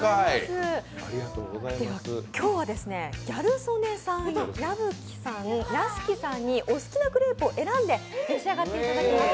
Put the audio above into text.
今日はギャル曽根さん矢吹さん、屋敷さんにお好きなクレープを選んで召し上がっていただきます。